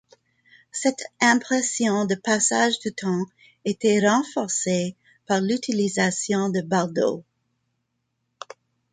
Cette impression de passage du temps était renforcée par l'utilisation de bardeaux.